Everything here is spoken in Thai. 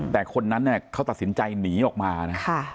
แต่คนนั้นเขาตัดสินใจหนีออกมานะ